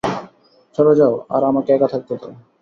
চলে যাও আর আমাকে একা থাকতে দাও।